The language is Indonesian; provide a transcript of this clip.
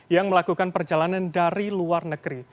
yang melakukan perjalanan dari luar negeri